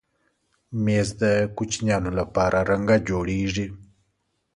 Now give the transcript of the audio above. مېز د کوچنیانو لپاره رنګه جوړېږي.